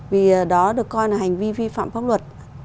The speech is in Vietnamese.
vì đó được coi là hành vi vi phạm pháp luật